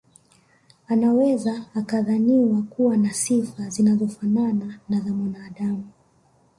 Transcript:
Anaweza akadhaniwa kuwa na sifa zinazofanana na za mwanaadamu